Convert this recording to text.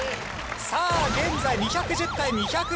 さあ現在２１０対２７０。